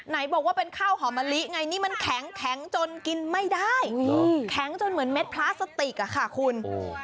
ไหนบอกว่าเป็นข้าวหอมมะลิไงนี่มันแข็งจนกินไม่ได้แข็งจนเหมือนเม็ดพลาสติกอะค่ะคุณ